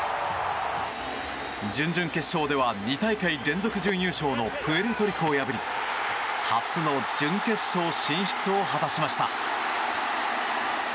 準々決勝では２大会連続準優勝のプエルトリコを破り初の準決勝進出を果たしました。